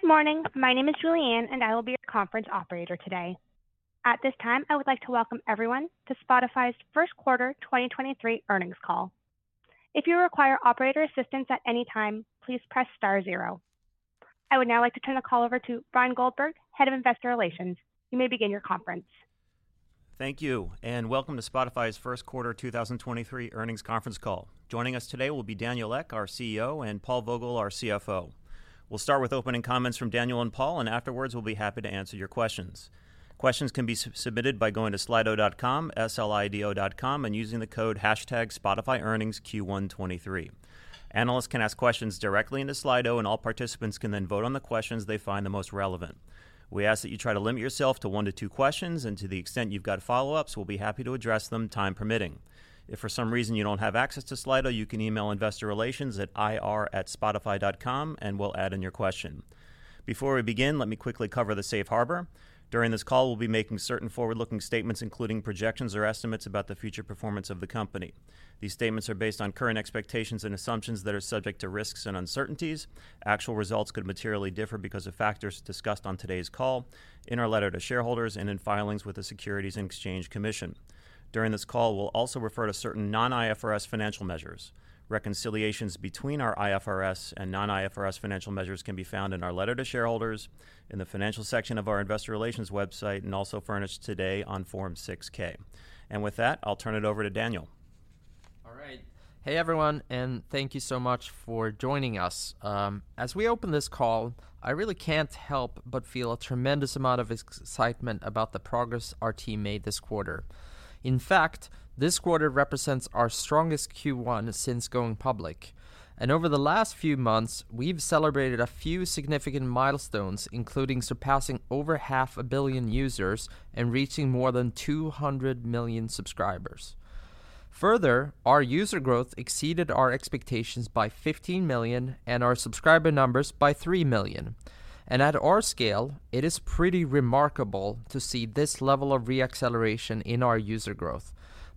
Good morning. My name is Julianne. I will be your conference operator today. At this time, I would like to welcome everyone to Spotify's First Quarter 2023 Earnings Call. If you require operator assistance at any time, please press star zero. I would now like to turn the call over to Bryan Goldberg, Head of Investor Relations. You may begin your conference. Thank you. Welcome to Spotify's first quarter 2023 earnings conference call. Joining us today will be Daniel Ek, our CEO, and Paul Vogel, our CFO. We'll start with opening comments from Daniel and Paul, and afterwards, we'll be happy to answer your questions. Questions can be sub-submitted by going to slido.com, S-L-I-D-O.com, and using the code #SpotifyEarningsQ123. Analysts can ask questions directly into Slido, and all participants can then vote on the questions they find the most relevant. We ask that you try to limit yourself to one to two questions, and to the extent you've got follow-ups, we'll be happy to address them, time permitting. If for some reason you don't have access to Slido, you can email Investor Relations at ir@spotify.com, and we'll add in your question. Before we begin, let me quickly cover the Safe Harbor. During this call, we'll be making certain forward-looking statements, including projections or estimates about the future performance of the company. These statements are based on current expectations and assumptions that are subject to risks and uncertainties. Actual results could materially differ because of factors discussed on today's call, in our letter to shareholders, and in filings with the Securities and Exchange Commission. During this call, we'll also refer to certain non-IFRS financial measures. Reconciliations between our IFRS and non-IFRS financial measures can be found in our letter to shareholders, in the financial section of our Investor Relations website, and also furnished today on Form 6-K. With that, I'll turn it over to Daniel. All right. Hey, everyone, thank you so much for joining us. As we open this call, I really can't help but feel a tremendous amount of excitement about the progress our team made this quarter. In fact, this quarter represents our strongest Q1 since going public. Over the last few months, we've celebrated a few significant milestones, including surpassing over half a billion users and reaching more than 200 million subscribers. Further, our user growth exceeded our expectations by 15 million and our subscriber numbers by 3 million. At our scale, it is pretty remarkable to see this level of reacceleration in our user growth.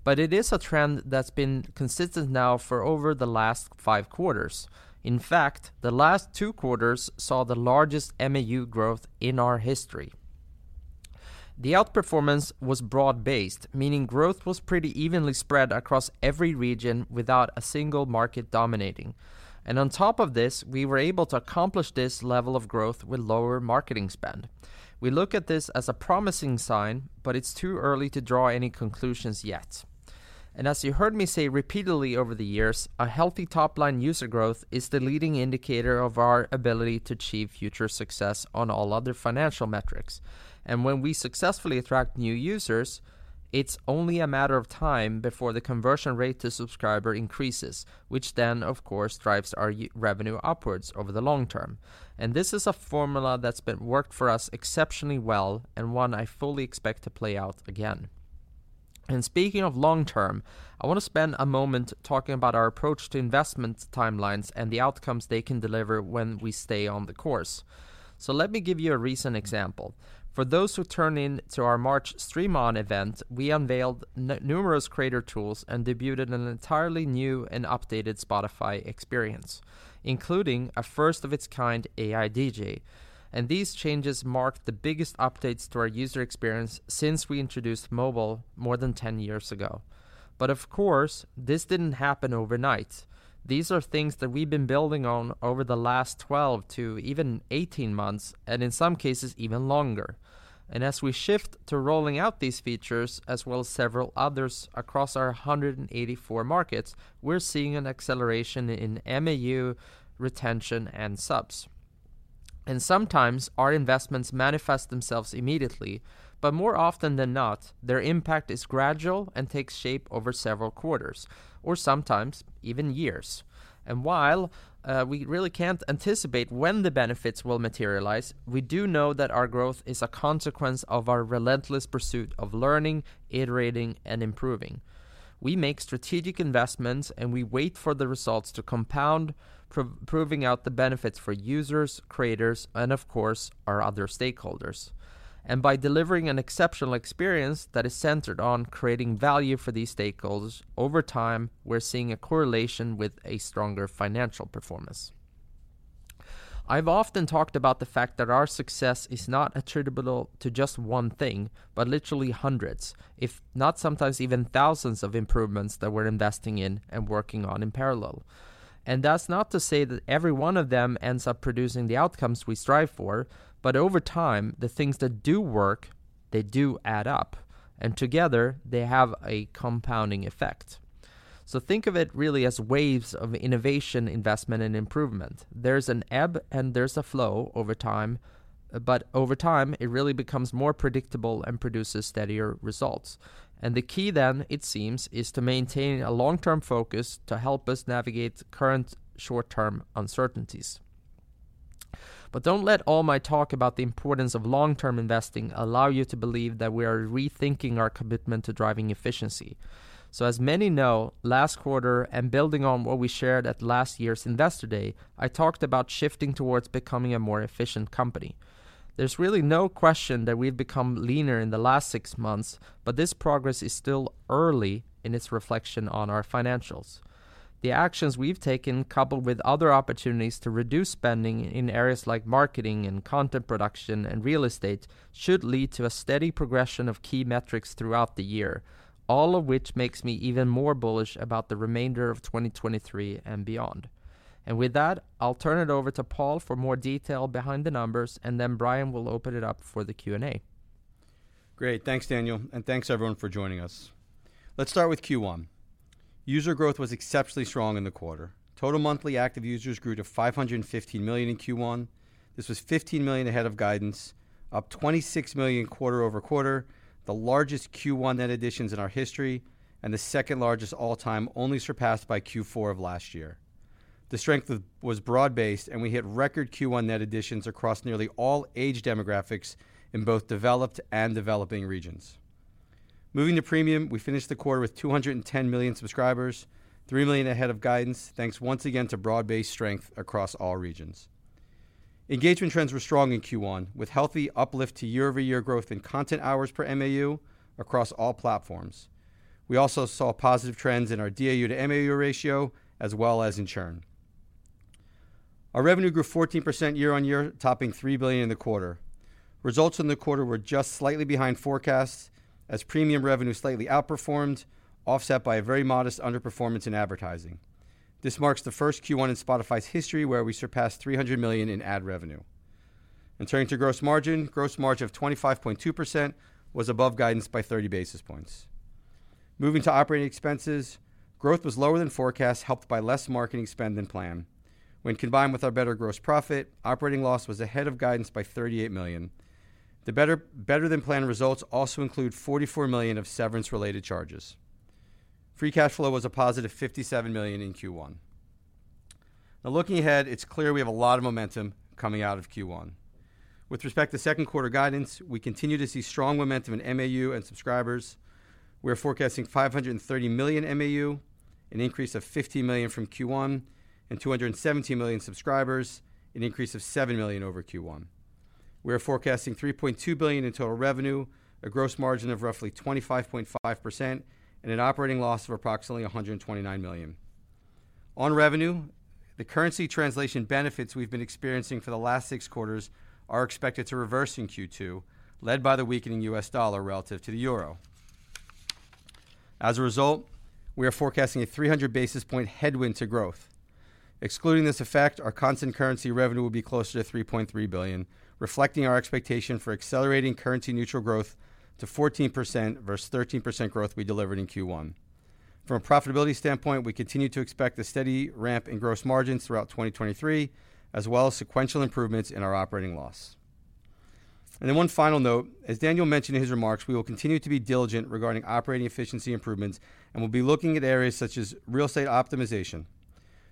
It is a trend that's been consistent now for over the last five quarters. In fact, the last two quarters saw the largest MAU growth in our history. The outperformance was broad-based, meaning growth was pretty evenly spread across every region without a single market dominating. On top of this, we were able to accomplish this level of growth with lower marketing spend. We look at this as a promising sign, but it's too early to draw any conclusions yet. As you heard me say repeatedly over the years, a healthy top-line user growth is the leading indicator of our ability to achieve future success on all other financial metrics. When we successfully attract new users, it's only a matter of time before the conversion rate to subscriber increases, which then, of course, drives our revenue upwards over the long term. This is a formula that's been worked for us exceptionally well and one I fully expect to play out again. Speaking of long term, I want to spend a moment talking about our approach to investment timelines and the outcomes they can deliver when we stay on the course. Let me give you a recent example. For those who tuned in to our March Stream On event, we unveiled numerous creator tools and debuted an entirely new and updated Spotify experience, including a first-of-its-kind AI DJ. These changes marked the biggest updates to our user experience since we introduced mobile more than 10 years ago. Of course, this didn't happen overnight. These are things that we've been building on over the last 12 to even 18 months, and in some cases even longer. As we shift to rolling out these features as well as several others across our 184 markets, we're seeing an acceleration in MAU retention and subs. Sometimes our investments manifest themselves immediately, but more often than not, their impact is gradual and takes shape over several quarters or sometimes even years. While we really can't anticipate when the benefits will materialize, we do know that our growth is a consequence of our relentless pursuit of learning, iterating, and improving. We make strategic investments, and we wait for the results to compound, proving out the benefits for users, creators, and of course, our other stakeholders. By delivering an exceptional experience that is centered on creating value for these stakeholders over time, we're seeing a correlation with a stronger financial performance. I've often talked about the fact that our success is not attributable to just one thing, but literally hundreds, if not sometimes even thousands of improvements that we're investing in and working on in parallel. That's not to say that every one of them ends up producing the outcomes we strive for, but over time, the things that do work, they do add up, and together they have a compounding effect. Think of it really as waves of innovation, investment, and improvement. There's an ebb and there's a flow over time, but over time, it really becomes more predictable and produces steadier results. The key then, it seems, is to maintain a long-term focus to help us navigate current short-term uncertainties. Don't let all my talk about the importance of long-term investing allow you to believe that we are rethinking our commitment to driving efficiency. As many know, last quarter and building on what we shared at last year's Investor Day, I talked about shifting towards becoming a more efficient company. There's really no question that we've become leaner in the last six months, but this progress is still early in its reflection on our financials. The actions we've taken, coupled with other opportunities to reduce spending in areas like marketing and content production and real estate, should lead to a steady progression of key metrics throughout the year, all of which makes me even more bullish about the remainder of 2023 and beyond. With that, I'll turn it over to Paul for more detail behind the numbers, and then Bryan will open it up for the Q&A. Great. Thanks, Daniel, and thanks everyone for joining us. Let's start with Q1. User growth was exceptionally strong in the quarter. Total monthly active users grew to 550 million in Q1. This was 15 million ahead of guidance, up 26 million quarter-over-quarter, the largest Q1 net additions in our history and the second largest all-time, only surpassed by Q4 of last year. The strength was broad-based, and we hit record Q1 net additions across nearly all age demographics in both developed and developing regions. Moving to Premium, we finished the quarter with 210 million subscribers, 3 million ahead of guidance, thanks once again to broad-based strength across all regions. Engagement trends were strong in Q1, with healthy uplift to year-over-year growth in content hours per MAU across all platforms. We also saw positive trends in our DAU to MAU ratio, as well as in churn. Our revenue grew 14% year-on-year, topping 3 billion in the quarter. Results in the quarter were just slightly behind forecasts, as Premium revenue slightly outperformed, offset by a very modest underperformance in advertising. This marks the first Q1 in Spotify's history where we surpassed 300 million in ad revenue. Turning to gross margin, gross margin of 25.2% was above guidance by 30 basis points. Moving to operating expenses, growth was lower than forecast, helped by less marketing spend than planned. When combined with our better gross profit, operating loss was ahead of guidance by 38 million. The better-than-planned results also include 44 million of severance-related charges. Free cash flow was a positive 57 million in Q1. Looking ahead, it's clear we have a lot of momentum coming out of Q1. With respect to second quarter guidance, we continue to see strong momentum in MAU and subscribers. We are forecasting 530 million MAU, an increase of 50 million from Q1, and 217 million subscribers, an increase of 7 million over Q1. We are forecasting 3.2 billion in total revenue, a gross margin of roughly 25.5%, and an operating loss of approximately 129 million. On revenue, the currency translation benefits we've been experiencing for the last six quarters are expected to reverse in Q2, led by the weakening U.S. dollar relative to the euro. As a result, we are forecasting a 300 basis point headwind to growth. Excluding this effect, our constant currency revenue will be closer to 3.3 billion, reflecting our expectation for accelerating currency-neutral growth to 14% versus 13% growth we delivered in Q1. From a profitability standpoint, we continue to expect a steady ramp in gross margins throughout 2023, as well as sequential improvements in our operating loss. One final note, as Daniel mentioned in his remarks, we will continue to be diligent regarding operating efficiency improvements and will be looking at areas such as real estate optimization.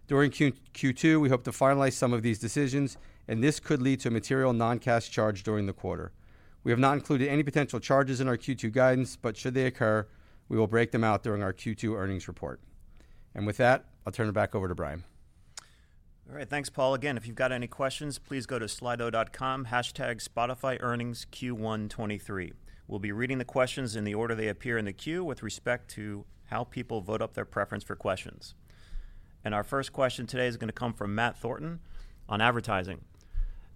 During Q2, we hope to finalize some of these decisions, and this could lead to a material non-cash charge during the quarter. We have not included any potential charges in our Q2 guidance, but should they occur, we will break them out during our Q2 earnings report. With that, I'll turn it back over to Bryan. All right. Thanks, Paul. Again, if you've got any questions, please go to slido.com, #SpotifyEarningsQ123. We'll be reading the questions in the order they appear in the queue with respect to how people vote up their preference for questions. Our first question today is going to come from Matthew Thornton on advertising.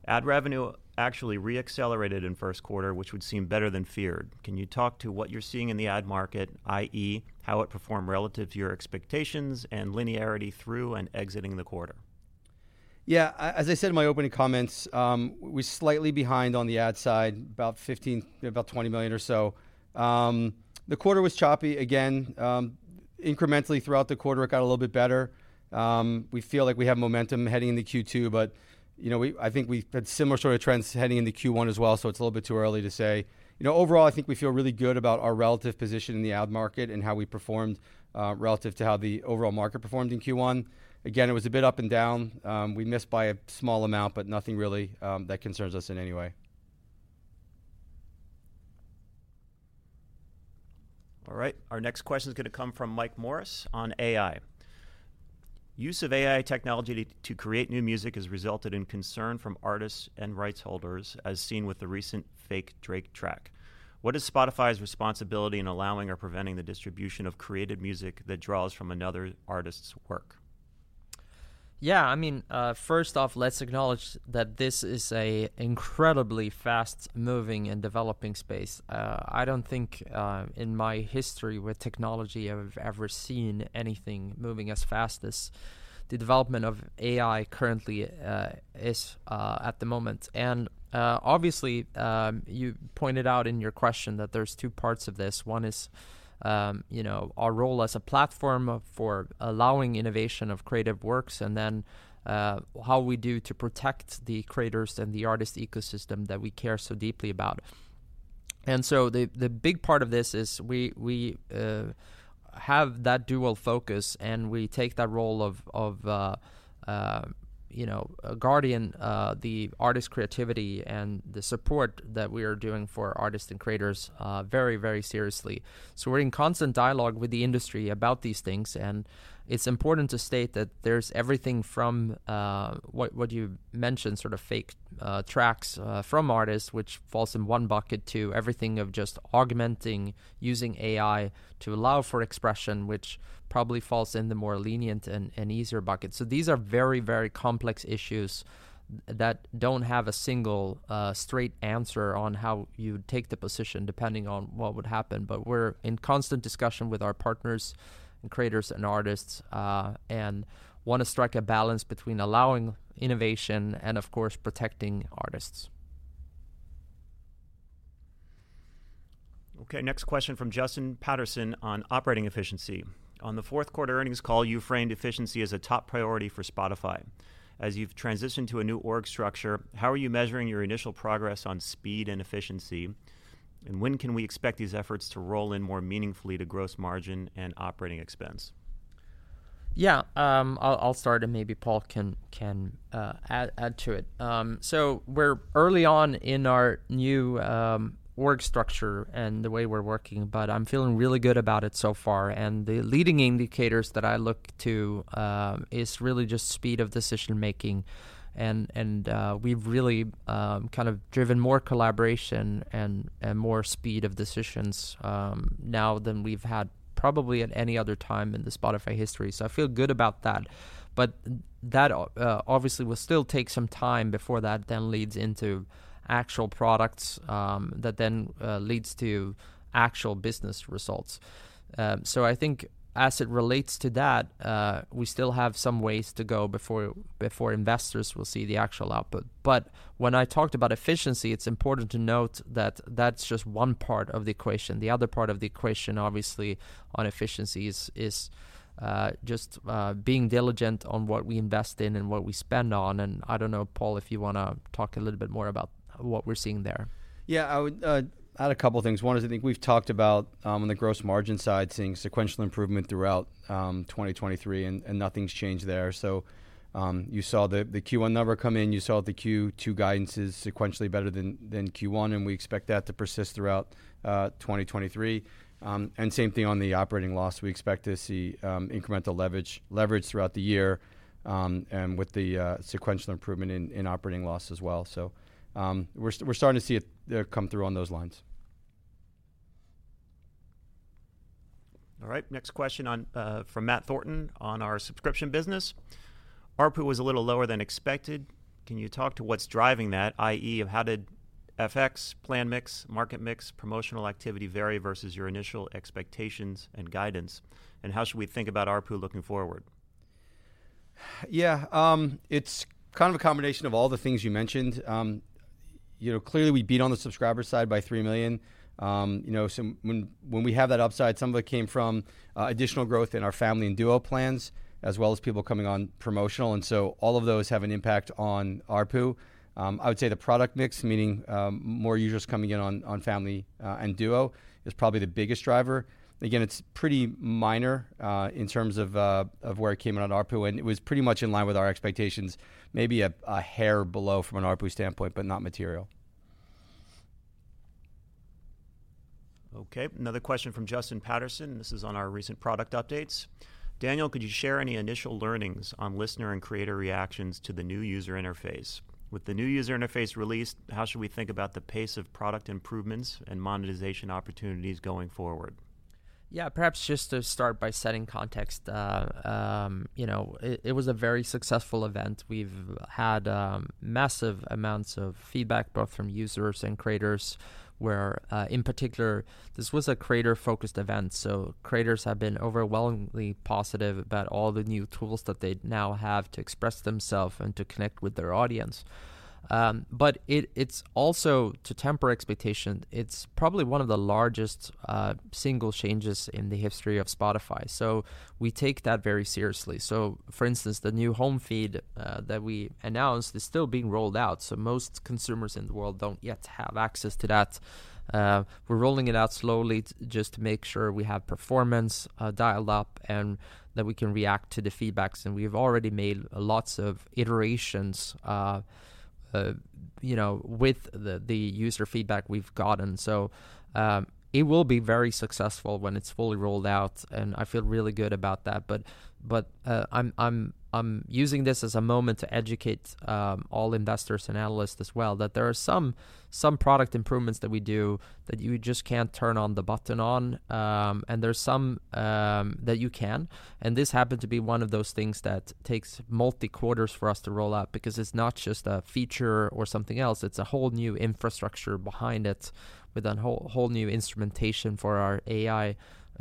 Ad revenue actually re-accelerated in first quarter, which would seem better than feared. Can you talk to what you're seeing in the ad market, i.e., how it performed relative to your expectations and linearity through and exiting the quarter? Yeah, as I said in my opening comments, we're slightly behind on the ad side, about 15 million, about 20 million or so. The quarter was choppy. Again, incrementally throughout the quarter, it got a little bit better. We feel like we have momentum heading into Q2, but, you know, I think we've had similar sort of trends heading into Q1 as well, so it's a little bit too early to say. You know, overall, I think we feel really good about our relative position in the ad market and how we performed, relative to how the overall market performed in Q1. Again, it was a bit up and down. We missed by a small amount, but nothing really that concerns us in any way. All right. Our next question is going to come from Mike Morris on AI. Use of AI technology to create new music has resulted in concern from artists and rights holders, as seen with the recent fake Drake track. What is Spotify's responsibility in allowing or preventing the distribution of created music that draws from another artist's work? Yeah, I mean, first off, let's acknowledge that this is a incredibly fast-moving and developing space. I don't think, in my history with technology I've ever seen anything moving as fast as the development of AI currently, is at the moment. Obviously, you pointed out in your question that there's two parts of this. One is, you know, our role as a platform for allowing innovation of creative works, and then, how we do to protect the creators and the artist ecosystem that we care so deeply about. The big part of this is we have that dual focus, and we take that role of, you know, a guardian, the artist creativity and the support that we are doing for artists and creators, very, very seriously. We're in constant dialogue with the industry about these things, and it's important to state that there's everything from, what you mentioned, sort of fake, tracks, from artists, which falls in one bucket, to everything of just augmenting using AI to allow for expression, which probably falls in the more lenient and easier bucket. These are very, very complex issues that don't have a single, straight answer on how you'd take the position depending on what would happen. We're in constant discussion with our partners and creators and artists, and wanna strike a balance between allowing innovation and of course, protecting artists. Okay, next question from Justin Patterson on operating efficiency. "On the fourth quarter earnings call, you framed efficiency as a top priority for Spotify. As you've transitioned to a new org structure, how are you measuring your initial progress on speed and efficiency? When can we expect these efforts to roll in more meaningfully to gross margin and operating expense? Yeah. I'll start, and maybe Paul can add to it. We're early on in our new org structure and the way we're working, but I'm feeling really good about it so far. The leading indicators that I look to is really just speed of decision-making. And we've really kind of driven more collaboration and more speed of decisions now than we've had probably at any other time in the Spotify history. I feel good about that. That obviously will still take some time before that then leads into actual products that then leads to actual business results. I think as it relates to that, we still have some ways to go before investors will see the actual output. When I talked about efficiency, it's important to note that that's just one part of the equation. The other part of the equation, obviously, on efficiency is just being diligent on what we invest in and what we spend on. I don't know, Paul, if you wanna talk a little bit more about what we're seeing there. I would add a couple things. One is I think we've talked about on the gross margin side, seeing sequential improvement throughout 2023, and nothing's changed there. You saw the Q1 number come in, you saw the Q2 guidance is sequentially better than Q1, and we expect that to persist throughout 2023. And same thing on the operating loss. We expect to see incremental leverage throughout the year, and with the sequential improvement in operating loss as well. We're starting to see it come through on those lines. All right. Next question on, from Matthew Thornton on our subscription business. "ARPU was a little lower than expected. Can you talk to what's driving that, i.e., how did FX, plan mix, market mix, promotional activity vary versus your initial expectations and guidance, and how should we think about ARPU looking forward? It's kind of a combination of all the things you mentioned. You know, clearly, we beat on the subscriber side by 3 million. You know, when we have that upside, some of it came from additional growth in our family and duo plans, as well as people coming on promotional, all of those have an impact on ARPU. I would say the product mix, meaning, more users coming in on family and duo is probably the biggest driver. Again, it's pretty minor in terms of where it came in on ARPU, and it was pretty much in line with our expectations, maybe a hair below from an ARPU standpoint, but not material. Okay. Another question from Justin Patterson. This is on our recent product updates. "Daniel, could you share any initial learnings on listener and creator reactions to the new user interface? With the new user interface released, how should we think about the pace of product improvements and monetization opportunities going forward? Yeah. Perhaps just to start by setting context, you know, it was a very successful event. We've had massive amounts of feedback, both from users and creators, where in particular, this was a creator-focused event, so creators have been overwhelmingly positive about all the new tools that they now have to express themselves and to connect with their audience. But it's also, to temper expectations, it's probably one of the largest single changes in the history of Spotify. We take that very seriously. For instance, the new home feed that we announced is still being rolled out, so most consumers in the world don't yet have access to that. We're rolling it out slowly just to make sure we have performance dialed up and that we can react to the feedbacks, and we've already made lots of iterations, you know, with the user feedback we've gotten. It will be very successful when it's fully rolled out, and I feel really good about that. I'm using this as a moment to educate all investors and analysts as well, that there are some product improvements that we do that you just can't turn on the button on, and there's some that you can. This happened to be one of those things that takes multi quarters for us to roll out because it's not just a feature or something else, it's a whole new infrastructure behind it with a whole new instrumentation for our AI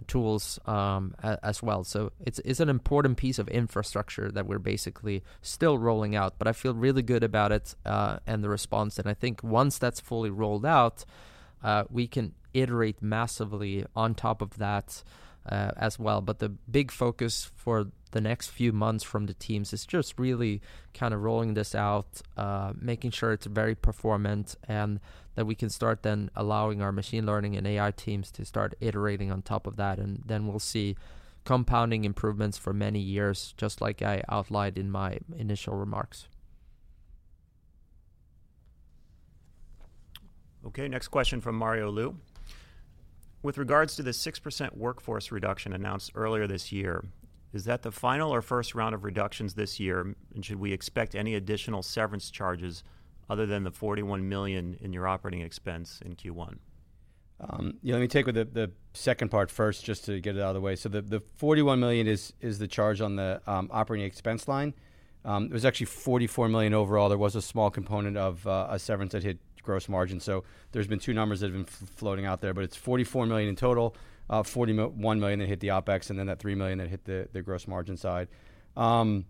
tools, as well. It's, it's an important piece of infrastructure that we're basically still rolling out. I feel really good about it and the response. I think once that's fully rolled out, we can iterate massively on top of that as well. The big focus for the next few months from the teams is just really kind of rolling this out, making sure it's very performant and that we can start then allowing our machine learning and AI teams to start iterating on top of that. We'll see compounding improvements for many years, just like I outlined in my initial remarks. Okay, next question from Mario Lu. With regards to the 6% workforce reduction announced earlier this year, is that the final or first round of reductions this year? Should we expect any additional severance charges other than the 41 million in your operating expense in Q1? Let me take with the second part first, just to get it out of the way. The 41 million is the charge on the operating expense line. It was actually 44 million overall. There was a small component of a severance that hit gross margin. There's been two numbers that have been floating out there, but it's 44 million in total, 41 million that hit the OpEx and then that 3 million that hit the gross margin side. In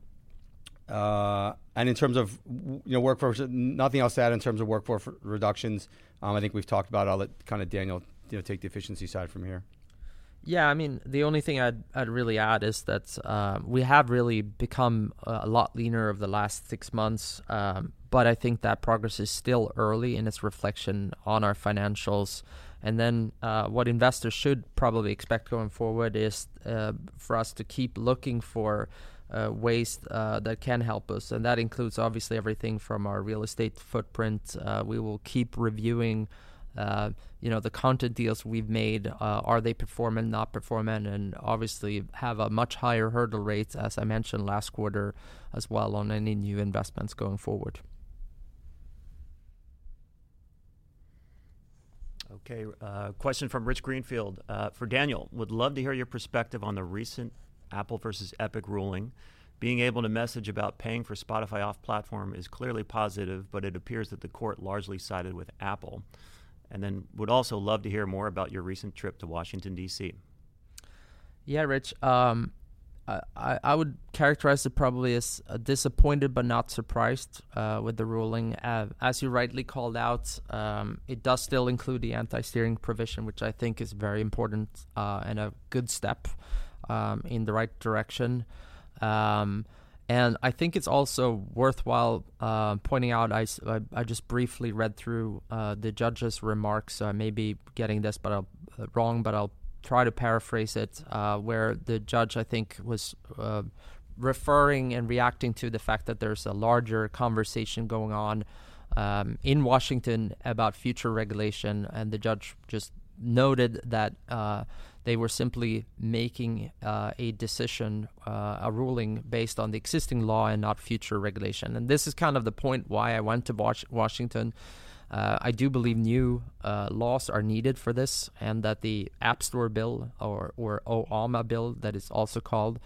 terms of you know, workforce, nothing else to add in terms of workforce reductions. I think we've talked about all that kind of Daniel, you know, take the efficiency side from here. Yeah, I mean, the only thing I'd really add is that we have really become a lot leaner over the last six months. I think that progress is still early in its reflection on our financials. What investors should probably expect going forward is for us to keep looking for ways that can help us. That includes obviously everything from our real estate footprint. We will keep reviewing, you know, the content deals we've made. Are they performing, not performing? Obviously have a much higher hurdle rates, as I mentioned last quarter as well on any new investments going forward. Okay. Question from Rich Greenfield. For Daniel, would love to hear your perspective on the recent Apple versus Epic ruling. Being able to message about paying for Spotify off platform is clearly positive, but it appears that the court largely sided with Apple. Would also love to hear more about your recent trip to Washington, D.C. Yeah, Rich. I would characterize it probably as disappointed but not surprised with the ruling. As you rightly called out, it does still include the anti-steering provision, which I think is very important and a good step in the right direction. I think it's also worthwhile pointing out, I just briefly read through the judge's remarks, so I may be getting this wrong, but I'll try to paraphrase it, where the judge, I think, was referring and reacting to the fact that there's a larger conversation going on in Washington about future regulation, and the judge just noted that they were simply making a decision, a ruling based on the existing law and not future regulation. This is kind of the point why I went to Washington. I do believe new laws are needed for this and that the App Store bill or OAMA bill that is also called,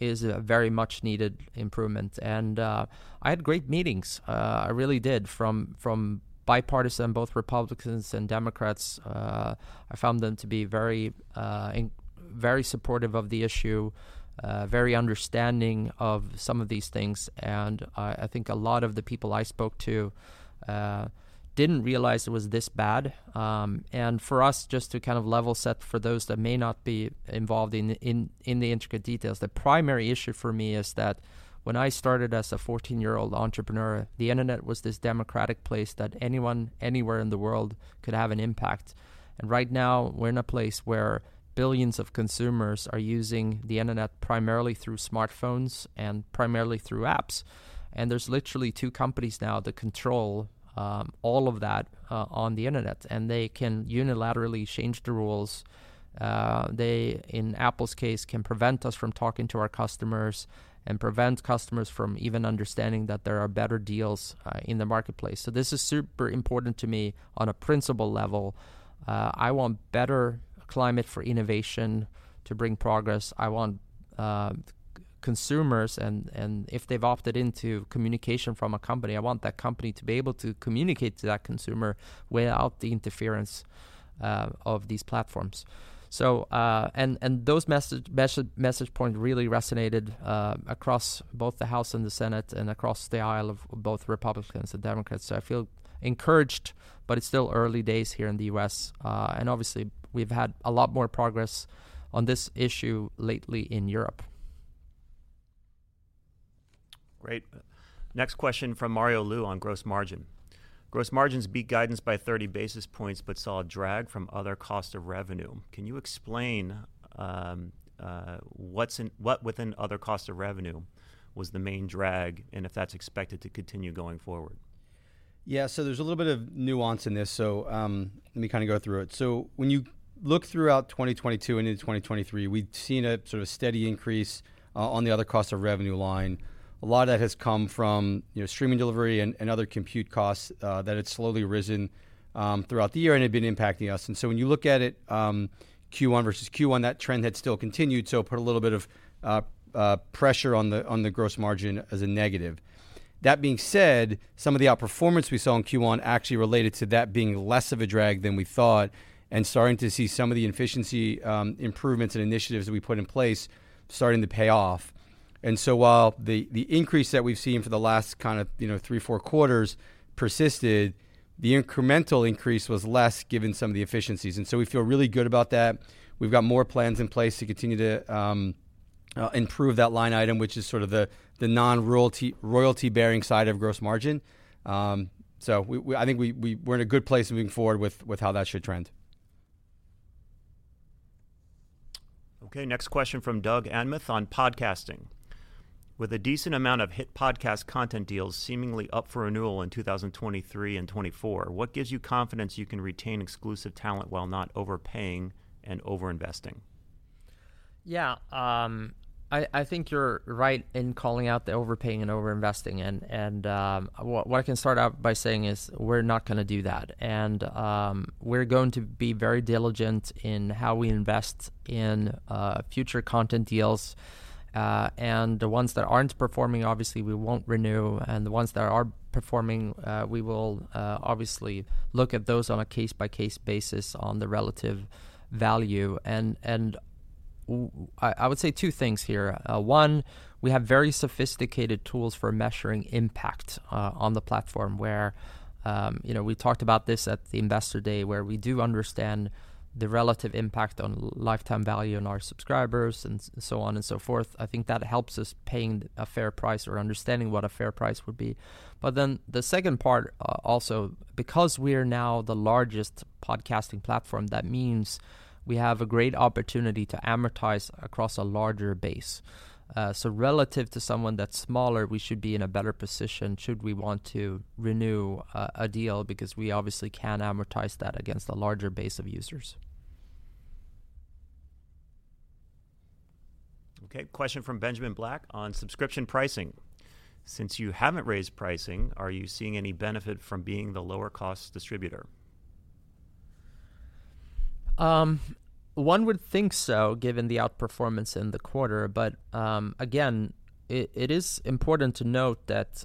is a very much needed improvement. I had great meetings. I really did from bipartisan, both Republicans and Democrats. I found them to be very supportive of the issue, very understanding of some of these things. I think a lot of the people I spoke to didn't realize it was this bad. For us just to kind of level set for those that may not be involved in, in the intricate details, the primary issue for me is that when I started as a 14-year-old entrepreneur, the internet was this democratic place that anyone, anywhere in the world could have an impact. Right now, we're in a place where billions of consumers are using the internet primarily through smartphones and primarily through apps. There's literally two companies now that control all of that on the internet, and they can unilaterally change the rules. They, in Apple's case, can prevent us from talking to our customers and prevent customers from even understanding that there are better deals in the marketplace. This is super important to me on a principle level. I want better climate for innovation to bring progress. I want consumers and if they've opted into communication from a company, I want that company to be able to communicate to that consumer without the interference of these platforms. Those message point really resonated across both the House and the Senate and across the aisle of both Republicans and Democrats. I feel encouraged, but it's still early days here in the U.S. Obviously, we've had a lot more progress on this issue lately in Europe. Great. Next question from Mario Lu on gross margin. Gross margins beat guidance by 30 basis points but saw a drag from other cost of revenue. Can you explain what within other cost of revenue was the main drag, and if that's expected to continue going forward? Yeah. There's a little bit of nuance in this, so, let me kind of go through it. When you look throughout 2022 into 2023, we'd seen a sort of steady increase on the other cost of revenue line. A lot of that has come from, you know, streaming delivery and other compute costs that had slowly risen throughout the year and had been impacting us. When you look at it, Q1 versus Q1, that trend had still continued, so it put a little bit of pressure on the gross margin as a negative. That being said, some of the outperformance we saw in Q1 actually related to that being less of a drag than we thought and starting to see some of the efficiency improvements and initiatives that we put in place starting to pay off. While the increase that we've seen for the last kind of, you know, three, four quarters persisted, the incremental increase was less given some of the efficiencies. We feel really good about that. We've got more plans in place to continue to improve that line item, which is sort of the non-royalty, royalty-bearing side of gross margin. I think we're in a good place moving forward with how that should trend. Okay, next question from Douglas Anmuth on podcasting: With a decent amount of hit podcast content deals seemingly up for renewal in 2023 and 2024, what gives you confidence you can retain exclusive talent while not overpaying and over-investing? Yeah. I think you're right in calling out the overpaying and over-investing and what I can start out by saying is we're not gonna do that. We're going to be very diligent in how we invest in future content deals. The ones that aren't performing, obviously, we won't renew, and the ones that are performing, we will obviously look at those on a case-by-case basis on the relative value. I would say two things here. One, we have very sophisticated tools for measuring impact on the platform, where, you know, we talked about this at the Investor Day, where we do understand the relative impact on lifetime value on our subscribers and so on and so forth. I think that helps us paying a fair price or understanding what a fair price would be. The second part, also, because we are now the largest podcasting platform, that means we have a great opportunity to amortize across a larger base. Relative to someone that's smaller, we should be in a better position should we want to renew a deal because we obviously can amortize that against a larger base of users. Okay, question from Benjamin Black on subscription pricing: Since you haven't raised pricing, are you seeing any benefit from being the lower cost distributor? One would think so, given the outperformance in the quarter. Again, it is important to note that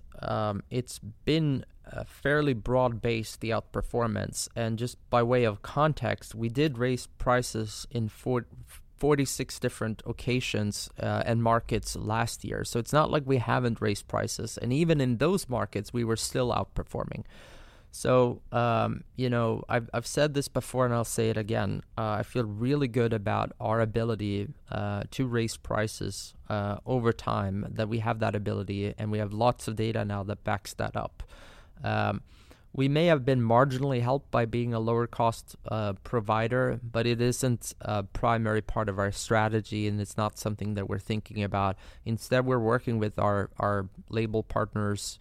it's been a fairly broad-based, the outperformance. Just by way of context, we did raise prices in 46 different occasions and markets last year. It's not like we haven't raised prices, and even in those markets, we were still outperforming. You know, I've said this before, and I'll say it again, I feel really good about our ability to raise prices over time, that we have that ability, and we have lots of data now that backs that up. We may have been marginally helped by being a lower cost provider, but it isn't a primary part of our strategy, and it's not something that we're thinking about. Instead, we're working with our label partners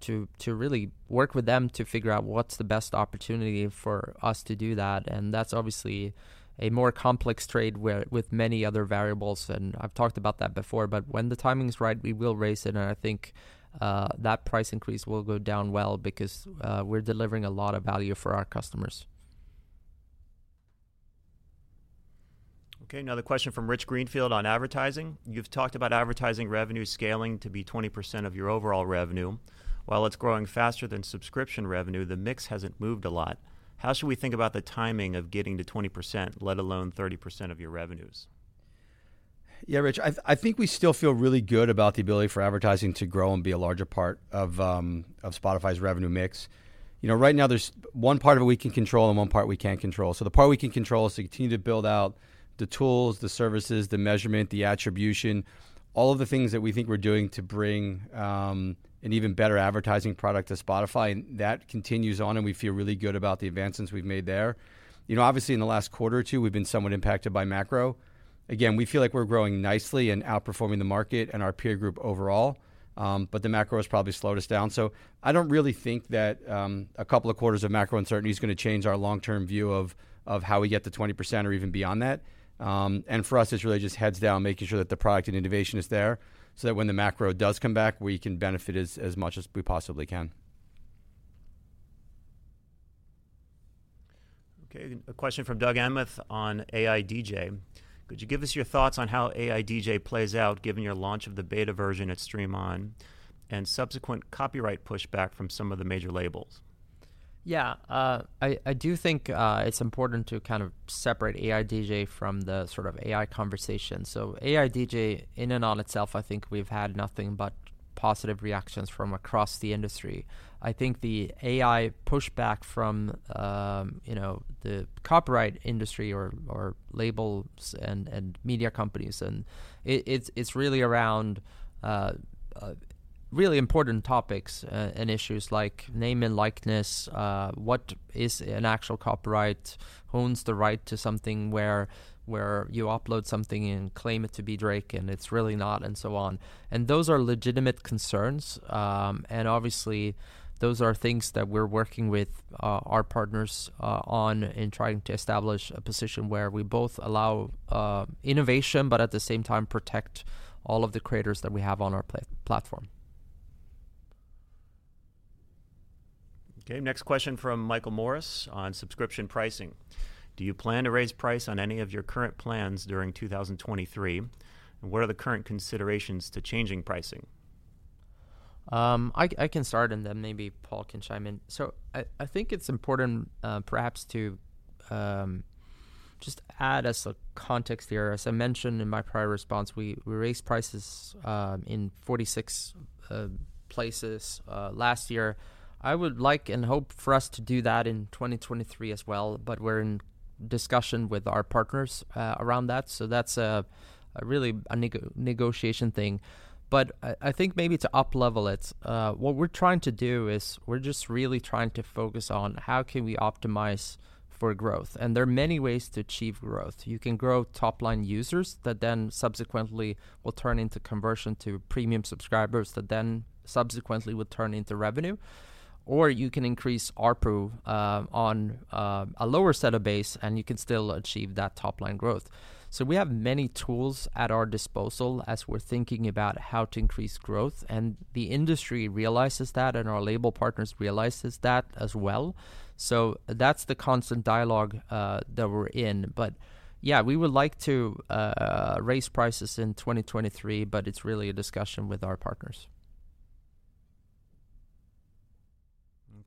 to really work with them to figure out what's the best opportunity for us to do that. That's obviously a more complex trade with many other variables. I've talked about that before. When the timing is right, we will raise it. I think that price increase will go down well because we're delivering a lot of value for our customers. Okay, another question from Richard Greenfield on advertising: You've talked about advertising revenue scaling to be 20% of your overall revenue. While it's growing faster than subscription revenue, the mix hasn't moved a lot. How should we think about the timing of getting to 20%, let alone 30% of your revenues? Yeah, Rich, I think we still feel really good about the ability for advertising to grow and be a larger part of Spotify's revenue mix. You know, right now there's one part of it we can control and one part we can't control. The part we can control is to continue to build out the tools, the services, the measurement, the attribution, all of the things that we think we're doing to bring an even better advertising product to Spotify, and that continues on, and we feel really good about the advancements we've made there. You know, obviously, in the last quarter or two, we've been somewhat impacted by macro. Again, we feel like we're growing nicely and outperforming the market and our peer group overall, but the macro has probably slowed us down. I don't really think that a couple of quarters of macro uncertainty is going to change our long-term view of how we get to 20% or even beyond that. For us, it's really just heads down, making sure that the product and innovation is there, so that when the macro does come back, we can benefit as much as we possibly can. A question from Doug Anmuth on AI DJ: Could you give us your thoughts on how AI DJ plays out given your launch of the beta version at Stream On and subsequent copyright pushback from some of the major labels? Yeah. I do think it's important to kind of separate AI DJ from the sort of AI conversation. AI DJ in and on itself, I think we've had nothing but positive reactions from across the industry. I think the AI pushback from, you know, the copyright industry or labels and media companies, it's really around really important topics and issues like name and likeness, what is an actual copyright, who owns the right to something where you upload something and claim it to be Drake, and it's really not, and so on. Those are legitimate concerns. Obviously, those are things that we're working with our partners on in trying to establish a position where we both allow innovation, but at the same time protect all of the creators that we have on our platform. Okay, next question from Michael Morris on subscription pricing: Do you plan to raise price on any of your current plans during 2023? What are the current considerations to changing pricing? I can start and then maybe Paul can chime in. I think it's important, perhaps just add as a context here, as I mentioned in my prior response, we raised prices in 46 places last year. I would like and hope for us to do that in 2023 as well, but we're in discussion with our partners around that, so that's a really a negotiation thing. I think maybe to up level it, what we're trying to do is we're just really trying to focus on how can we optimize for growth. There are many ways to achieve growth. You can grow top-line users that then subsequently will turn into conversion to Premium subscribers that then subsequently will turn into revenue, or you can increase ARPU on a lower set of base and you can still achieve that top-line growth. We have many tools at our disposal as we're thinking about how to increase growth, and the industry realizes that and our label partners realizes that as well. That's the constant dialogue that we're in. Yeah, we would like to raise prices in 2023, but it's really a discussion with our partners.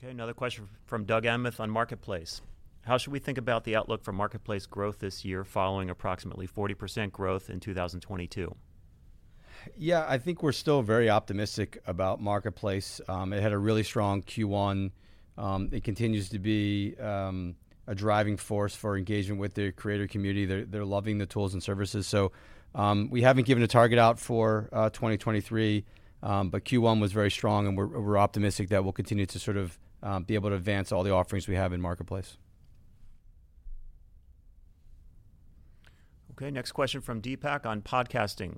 Okay, another question from Douglas Anmuth on Marketplace. How should we think about the outlook for Marketplace growth this year following approximately 40% growth in 2022? Yeah, I think we're still very optimistic about Marketplace. It had a really strong Q1. It continues to be a driving force for engagement with the creator community. They're loving the tools and services. We haven't given a target out for 2023, but Q1 was very strong and we're optimistic that we'll continue to sort of be able to advance all the offerings we have in Marketplace. Okay, next question from Deepak on podcasting: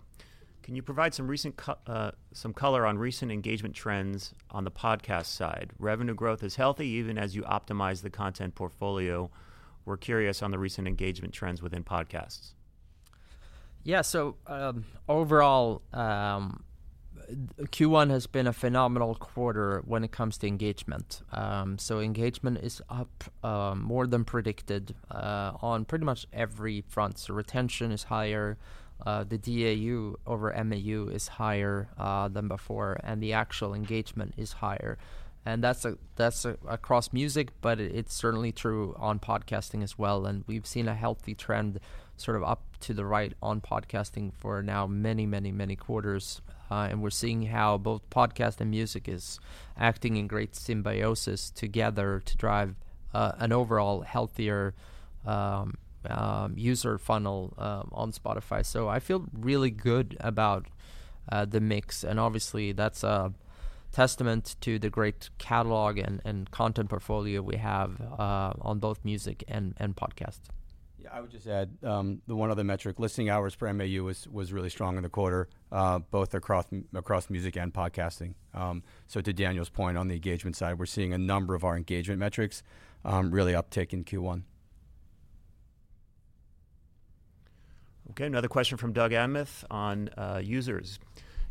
Can you provide some recent some color on recent engagement trends on the podcast side? Revenue growth is healthy even as you optimize the content portfolio. We're curious on the recent engagement trends within podcasts. Yeah. Overall, Q1 has been a phenomenal quarter when it comes to engagement. Engagement is up, more than predicted on pretty much every front. Retention is higher, the DAU over MAU is higher than before, and the actual engagement is higher. That's across music, but it's certainly true on podcasting as well, and we've seen a healthy trend sort of up to the right on podcasting for now many quarters. We're seeing how both podcast and music is acting in great symbiosis together to drive an overall healthier user funnel on Spotify. I feel really good about the mix, and obviously that's a testament to the great catalog and content portfolio we have on both music and podcasts. Yeah, I would just add, the one other metric, listening hours per MAU was really strong in the quarter, both across music and podcasting. To Daniel's point on the engagement side, we're seeing a number of our engagement metrics, really uptick in Q1. Okay, another question from Douglas Anmuth on users.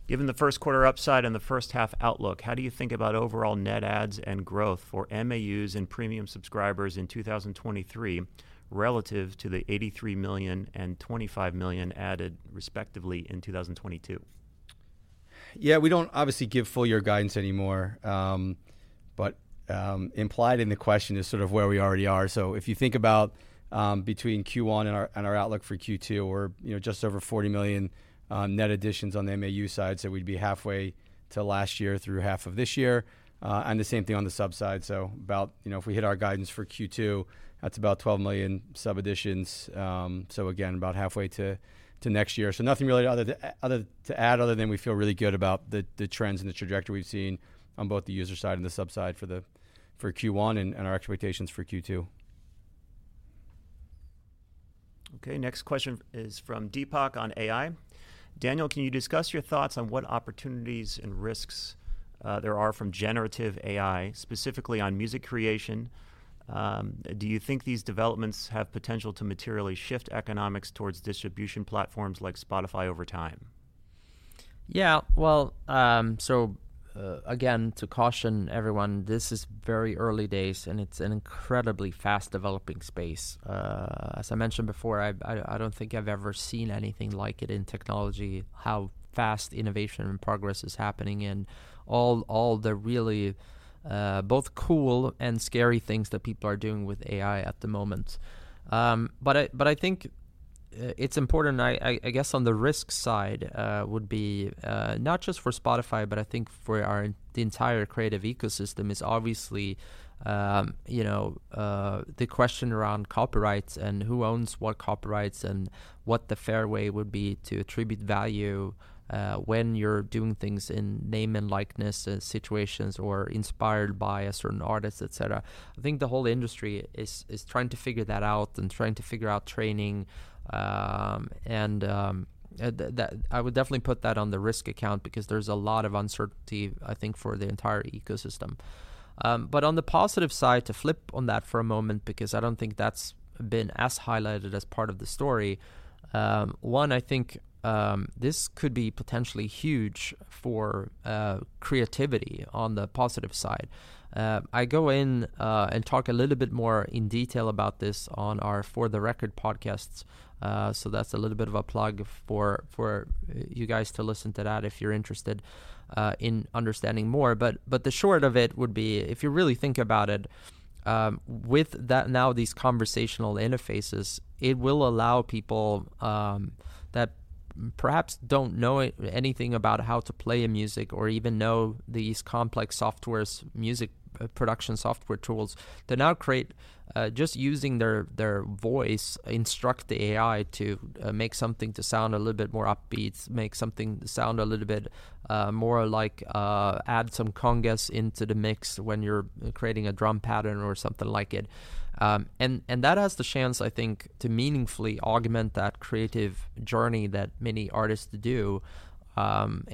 Given the first quarter upside and the first half outlook, how do you think about overall net adds and growth for MAUs and Premium subscribers in 2023 relative to the 83 million and 25 million added respectively in 2022? Yeah, we don't obviously give full year guidance anymore, but implied in the question is sort of where we already are. If you think about, between Q1 and our, and our outlook for Q2, we're, you know, just over 40 million net additions on the MAU side, so we'd be halfway to last year through half of this year. The same thing on the sub side. About, you know, if we hit our guidance for Q2, that's about 12 million sub additions. Again, about halfway to next year. Nothing really other to, other to add other than we feel really good about the trends and the trajectory we've seen on both the user side and the sub side for the, for Q1 and our expectations for Q2. Okay. Next question is from Deepak on AI: Daniel, can you discuss your thoughts on what opportunities and risks there are from generative AI, specifically on music creation? Do you think these developments have potential to materially shift economics towards distribution platforms like Spotify over time? Yeah. Well, so, again, to caution everyone, this is very early days and it's an incredibly fast developing space. As I mentioned before, I don't think I've ever seen anything like it in technology, how fast innovation and progress is happening and all the really both cool and scary things that people are doing with AI at the moment. I think it's important, I guess, on the risk side, would be not just for Spotify, but I think for our, the entire creative ecosystem is obviously, you know, the question around copyrights and who owns what copyrights and what the fair way would be to attribute value, when you're doing things in name and likeness situations or inspired by a certain artist, et cetera. I think the whole industry is trying to figure that out and trying to figure out training, and that I would definitely put that on the risk account because there's a lot of uncertainty, I think, for the entire ecosystem. On the positive side, to flip on that for a moment, because I don't think that's been as highlighted as part of the story, one, I think, this could be potentially huge for creativity on the positive side. I go in and talk a little bit more in detail about this on our For the Record podcasts, that's a little bit of a plug for you guys to listen to that if you're interested in understanding more. The short of it would be, if you really think about it, with that now these conversational interfaces, it will allow people, Perhaps don't know anything about how to play a music or even know these complex softwares, music production software tools to now create, just using their voice, instruct the AI to, make something to sound a little bit more upbeat, make something sound a little bit, more like, add some congas into the mix when you're creating a drum pattern or something like it. That has the chance, I think, to meaningfully augment that creative journey that many artists do.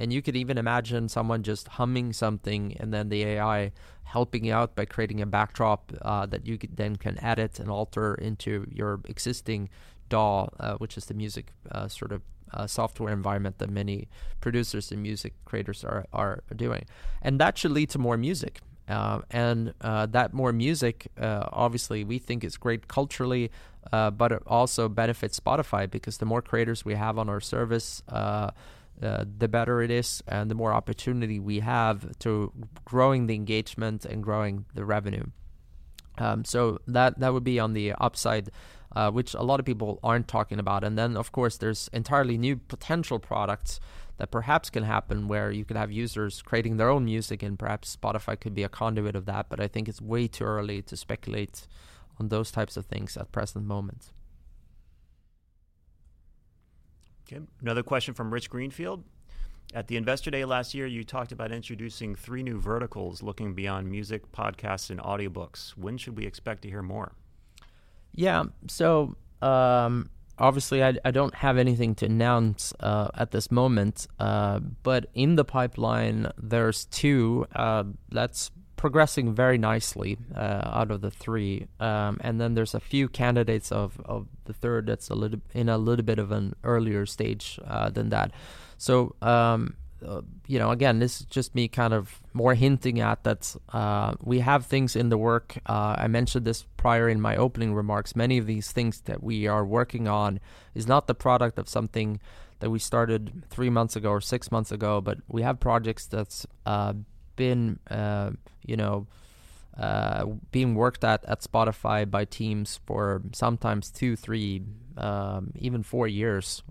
You could even imagine someone just humming something and then the AI helping out by creating a backdrop that you then can edit and alter into your existing DAW, which is the music, sort of, software environment that many producers and music creators are doing. That should lead to more music. That more music, obviously we think is great culturally, but it also benefits Spotify because the more creators we have on our service, the better it is and the more opportunity we have to growing the engagement and growing the revenue. That, that would be on the upside, which a lot of people aren't talking about. Of course, there's entirely new potential products that perhaps can happen where you could have users creating their own music and perhaps Spotify could be a conduit of that. I think it's way too early to speculate on those types of things at present moment. Okay. Another question from Richard Greenfield: At the Investor Day last year, you talked about introducing three new verticals looking beyond music, podcasts and audiobooks. When should we expect to hear more? Yeah. Obviously I don't have anything to announce at this moment. In the pipeline, there's two that's progressing very nicely out of the three. Then there's a few candidates of the third that's a little, in a little bit of an earlier stage than that. You know, again, this is just me kind of more hinting at that, we have things in the work. I mentioned this prior in my opening remarks. Many of these things that we are working on is not the product of something that we started three months ago or six months ago, but we have projects that's been, you know, being worked at Spotify by teams for sometimes two, three, even four years,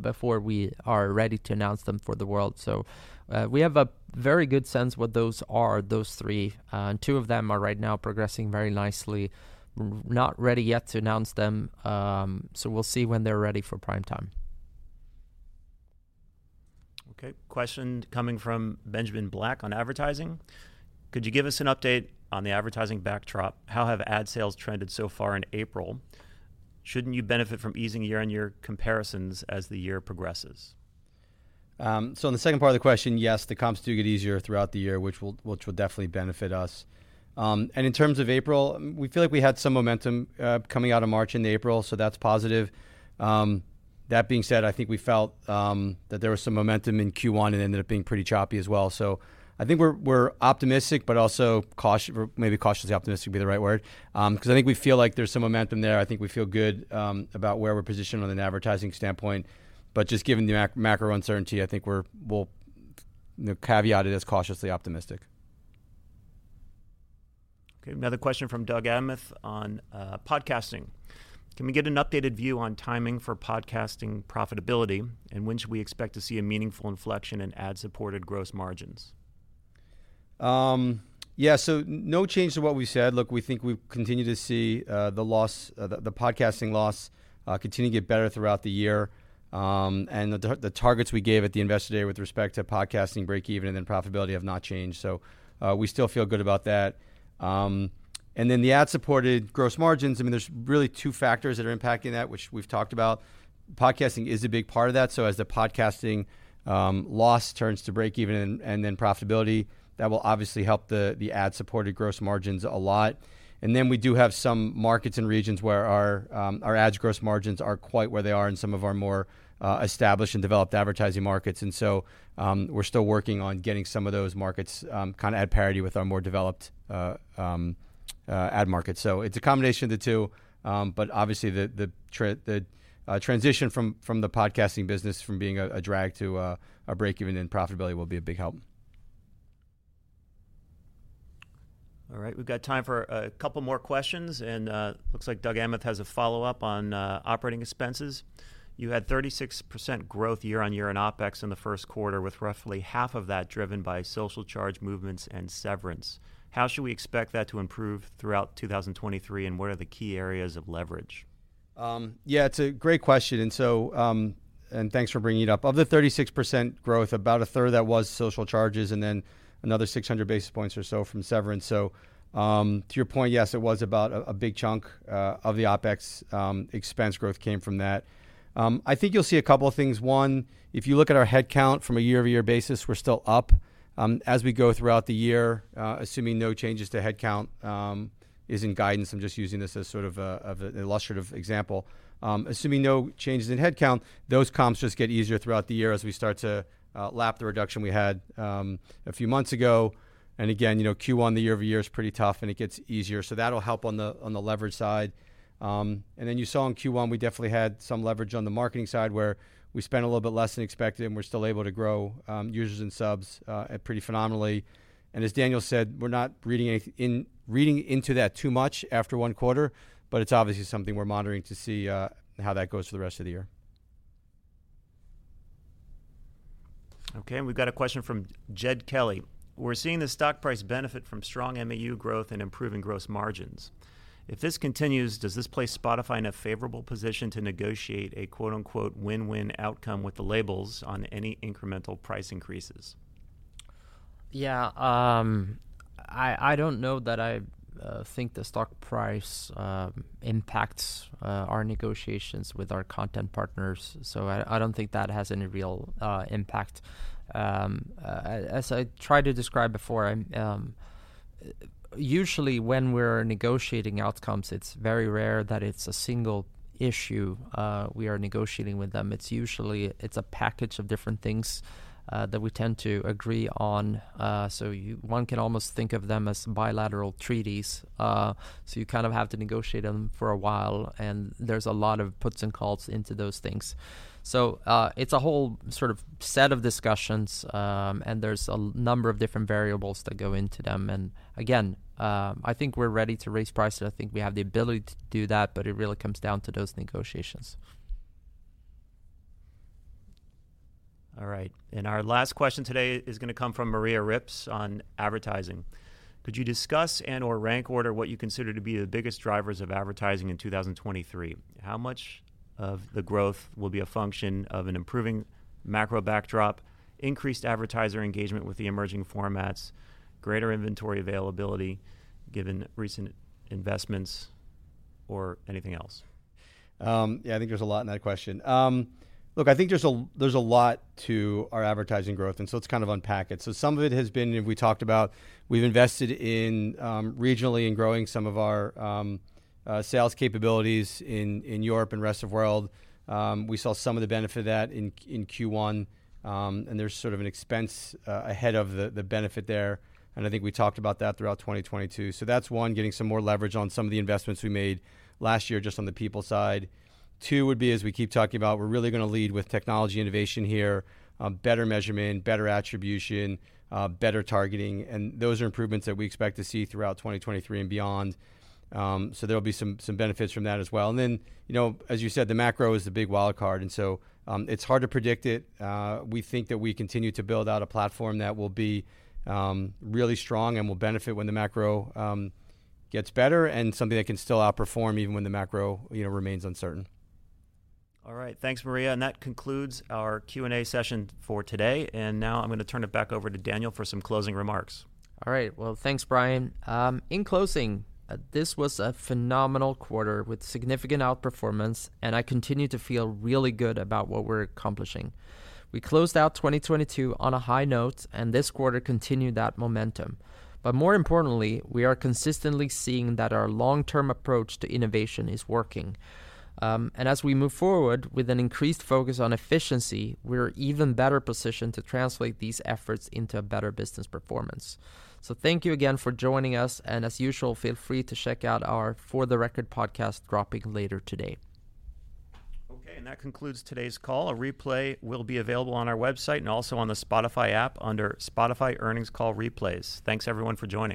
before we are ready to announce them for the world. We have a very good sense what those are, those three, and two of them are right now progressing very nicely. Not ready yet to announce them. We'll see when they're ready for primetime. Okay. Question coming from Benjamin Black on advertising: Could you give us an update on the advertising backdrop? How have ad sales trended so far in April? Shouldn't you benefit from easing year-on-year comparisons as the year progresses? On the second part of the question, yes, the comps do get easier throughout the year, which will definitely benefit us. In terms of April, we feel like we had some momentum coming out of March into April, so that's positive. That being said, I think we felt that there was some momentum in Q1 and it ended up being pretty choppy as well. I think we're optimistic, but also cautiously optimistic would be the right word. 'Cause I think we feel like there's some momentum there. I think we feel good about where we're positioned on an advertising standpoint. Just given the macro uncertainty, I think we'll, you know, caveat it as cautiously optimistic. Okay. Another question from Douglas Anmuth on podcasting: Can we get an updated view on timing for podcasting profitability? When should we expect to see a meaningful inflection in ad-supported gross margins? Yeah. No change to what we said. Look, we think we continue to see the loss, the podcasting loss continue to get better throughout the year. The targets we gave at the Investor Day with respect to podcasting breakeven and then profitability have not changed. We still feel good about that. The ad-supported gross margins, I mean, there's really two factors that are impacting that, which we've talked about. Podcasting is a big part of that. As the podcasting loss turns to breakeven and then profitability, that will obviously help the ad-supported gross margins a lot. We do have some markets and regions where our ads gross margins aren't quite where they are in some of our more established and developed advertising markets. We're still working on getting some of those markets, kind of ad parity with our more developed ad markets. It's a combination of the two. Obviously the transition from the podcasting business from being a drag to a breakeven and profitability will be a big help. All right. We've got time for a couple more questions. looks like Douglas Anmuth has a follow-up on operating expenses. You had 36% growth year-on-year in OpEx in the first quarter, with roughly half of that driven by Social Charges movements and severance. How should we expect that to improve throughout 2023, and what are the key areas of leverage? Yeah, it's a great question. Thanks for bringing it up. Of the 36% growth, about a third of that was Social Charges and then another 600 basis points or so from severance. To your point, yes, it was about a big chunk of the OpEx expense growth came from that. I think you'll see a couple of things. One, if you look at our headcount from a year-over-year basis, we're still up. As we go throughout the year, assuming no changes to headcount, is in guidance, I'm just using this as sort of an illustrative example. Assuming no changes in headcount, those comps just get easier throughout the year as we start to lap the reduction we had a few months ago. Again, you know, Q1 the year-over-year is pretty tough, and it gets easier. That'll help on the leverage side. Then you saw in Q1, we definitely had some leverage on the marketing side, where we spent a little bit less than expected, and we're still able to grow users and subs pretty phenomenally. As Daniel said, we're not reading into that too much after one quarter, but it's obviously something we're monitoring to see how that goes for the rest of the year. Okay, we've got a question from Jed Kelly: We're seeing the stock price benefit from strong MAU growth and improving gross margins. If this continues, does this place Spotify in a favorable position to negotiate a quote, unquote, "win-win outcome" with the labels on any incremental price increases? Yeah, I don't know that I think the stock price impacts our negotiations with our content partners. I don't think that has any real impact. As I tried to describe before, usually when we're negotiating outcomes, it's very rare that it's a single issue we are negotiating with them. It's usually a package of different things that we tend to agree on. One can almost think of them as bilateral treaties, so you kind of have to negotiate them for a while, and there's a lot of puts and calls into those things. It's a whole sort of set of discussions, and there's a number of different variables that go into them. Again, I think we're ready to raise prices. I think we have the ability to do that, but it really comes down to those negotiations. All right. Our last question today is gonna come from Maria Ripps on advertising: Could you discuss and/or rank order what you consider to be the biggest drivers of advertising in 2023? How much of the growth will be a function of an improving macro backdrop, increased advertiser engagement with the emerging formats, greater inventory availability given recent investments or anything else? Yeah, I think there's a lot in that question. Look, I think there's a lot to our advertising growth. Let's kind of unpack it. Some of it has been, you know, we talked about, we've invested in regionally in growing some of our sales capabilities in Europe and rest of world. We saw some of the benefit of that in Q1. There's sort of an expense ahead of the benefit there, and I think we talked about that throughout 2022. That's one, getting some more leverage on some of the investments we made last year just on the people side. Two would be, as we keep talking about, we're really gonna lead with technology innovation here, better measurement, better attribution, better targeting. Those are improvements that we expect to see throughout 2023 and beyond. There'll be some benefits from that as well. You know, as you said, the macro is the big wild card. It's hard to predict it. We think that we continue to build out a platform that will be really strong and will benefit when the macro gets better and something that can still outperform even when the macro, you know, remains uncertain. All right. Thanks, Maria, and that concludes our Q&A session for today. Now I'm going to turn it back over to Daniel for some closing remarks. All right. Well, thanks, Bryan. In closing, this was a phenomenal quarter with significant outperformance. I continue to feel really good about what we're accomplishing. We closed out 2022 on a high note, and this quarter continued that momentum. More importantly, we are consistently seeing that our long-term approach to innovation is working. As we move forward with an increased focus on efficiency, we're even better positioned to translate these efforts into a better business performance. Thank you again for joining us, and as usual, feel free to check out our For the Record podcast dropping later today. Okay. That concludes today's call. A replay will be available on our website and also on the Spotify app under Spotify Earnings Call Replays. Thanks, everyone, for joining.